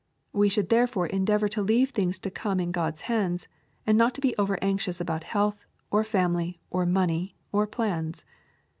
We should therefore endeavor to leave things to come in God's hands, and not to be over anxious about health, or family, or money, or plans.